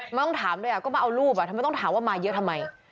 ไม่ต้องถามด้วยก็มาเอารูปทำไมต้องถามว่ามาเยอะทำไม